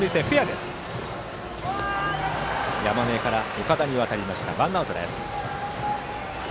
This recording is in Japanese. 山根から岡田と渡ってワンアウトです。